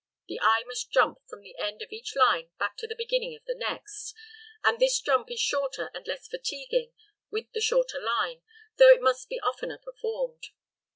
The eye must jump from the end of each line back to the beginning of the next, and this jump is shorter and less fatiguing with the shorter line, though it must be oftener performed.